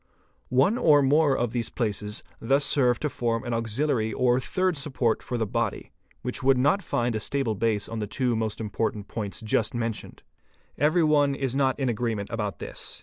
One or more of these places thus serve to form an auxiliary or third support for the body, which would not find a stable base on the two most important points just mentioned. Kvery one is not in agreement about this.